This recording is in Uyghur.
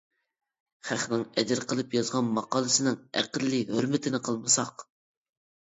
خەقنىڭ ئەجىر قىلىپ يازغان ماقالىسىنىڭ ئەقەللىي ھۆرمىتىنى قىلمىساق؟ ؟؟؟؟.